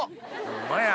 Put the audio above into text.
ホンマや！